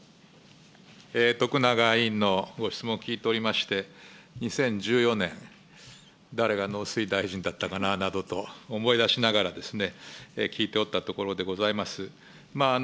徳永委員のご質問聞いておりまして、２０１４年、誰が農水大臣だったかななどと思い出しながら、聞いておったところでございます。